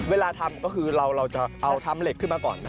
เวลาทำก็คือเราจะเอาทำเหล็กขึ้นมาก่อน